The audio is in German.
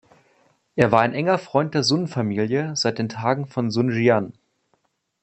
Er war ein enger Freund der Sun-Familie seit den Tagen von Sun Jian.